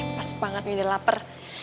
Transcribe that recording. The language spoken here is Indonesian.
pas banget nih udah lapar